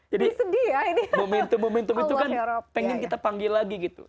ya momentum momentum itu kan pengen kita panggil lagi gitu